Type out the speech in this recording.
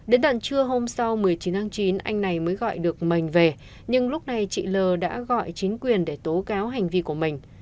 đến tận trưa hôm sau một mươi chín tháng chín anh này mới gọi được mình về nhưng lúc này chị l đã gọi chính quyền để tố cáo hành vi của mình